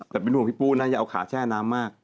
แต่เป็นห่วงพี่ปูนะอย่าเอาขาแช่น้ำมาก